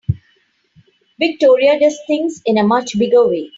Victoria does things in a much bigger way.